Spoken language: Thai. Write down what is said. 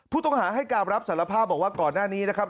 ผู้ต้องหาให้การรับสารภาพบอกว่าก่อนหน้านี้นะครับ